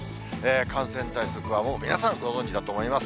感染対策はもう皆さんご存じだと思います。